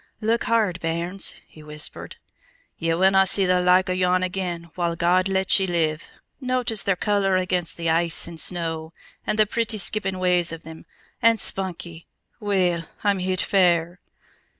Look hard, bairns!" he whispered. "Ye winna see the like o' yon again, while God lets ye live. Notice their color against the ice and snow, and the pretty skippin' ways of them! And spunky! Weel, I'm heat fair!"